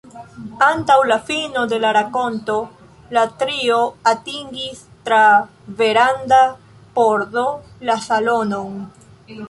Antaŭ la fino de la rakonto, la trio atingis, tra veranda pordo, la salonon.